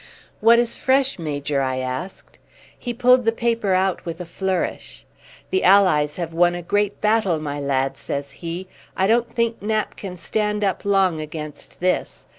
"What is fresh, Major?" I asked. He pulled the paper out with a flourish. "The allies have won a great battle, my lad," says he. "I don't think Nap can stand up long against this.